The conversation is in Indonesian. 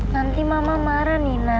nanti mama marah nina